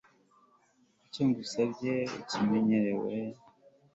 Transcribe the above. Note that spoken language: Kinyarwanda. icyo ngusabye ucyinyemerere